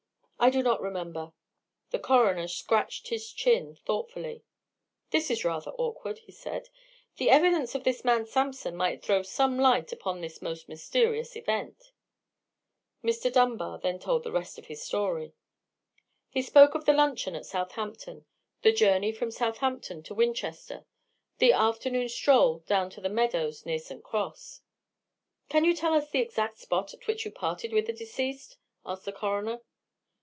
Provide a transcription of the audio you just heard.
"I do not remember." The coroner scratched his chin, thoughtfully. "That is rather awkward," he said; "the evidence of this man Sampson might throw some light upon this most mysterious event." Mr. Dunbar then told the rest of his story. He spoke of the luncheon at Southampton, the journey from Southampton to Winchester, the afternoon stroll down to the meadows near St. Cross. "Can you tell us the exact spot at which you parted with the deceased?" asked the coroner.